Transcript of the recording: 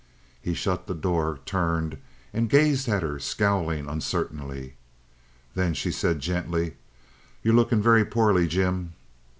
He shut the door, turned, and gazed at her, scowling uncertainly. Then she said gently: "You're looking very poorly, Jim."